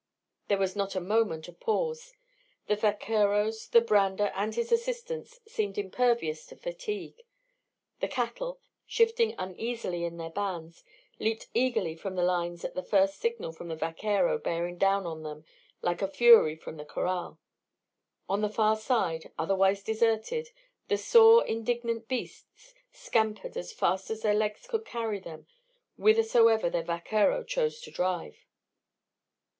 There was not a moment of pause. The vaqueros, the brander, and his assistants seemed impervious to fatigue; the cattle, shifting uneasily in their bands, leaped eagerly from the lines at the first signal from the vaquero bearing down on them like a fury from the corral. On the far side, otherwise deserted, the sore indignant beasts scampered as fast as their legs could carry them whithersoever their vaquero chose to drive.